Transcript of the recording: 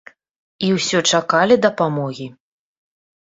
І ўсё чакалі дапамогі.